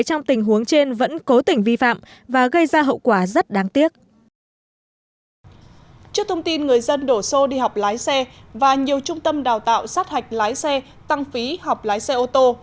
trước thông tin người dân đổ xô đi học lái xe và nhiều trung tâm đào tạo sát hạch lái xe tăng phí học lái xe ô tô